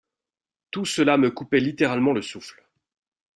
Tout cela me coupait littéralement le souffle.